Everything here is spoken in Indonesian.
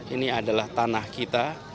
ini adalah tanah kita